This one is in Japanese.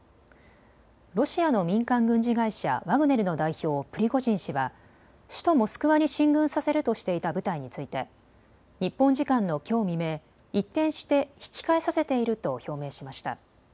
ロシアの民間軍事会社、ワグネルの代表、プリゴジン氏は首都モスクワに進軍させるとしていた部隊について日本時間のきょう未明、一転して引き返させていると表明しました。